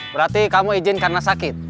berarti kamu izin karena sakit